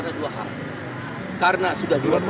mengatakan bahwa hakim aswanto tidak ada salah apa apa